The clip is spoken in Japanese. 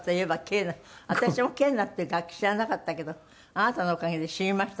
私もケーナっていう楽器知らなかったけどあなたのおかげで知りました。